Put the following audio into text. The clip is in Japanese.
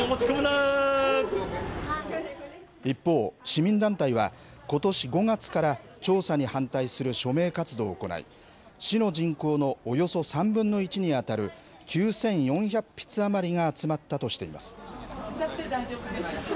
一方、市民団体は、ことし５月から調査に反対する署名活動を行い、市の人口のおよそ３分の１に当たる９４００筆余りが集まったとしています。